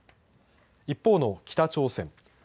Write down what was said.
一方の北朝鮮。